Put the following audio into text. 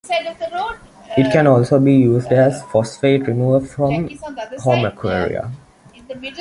It can also be used as a phosphate remover from home aquaria.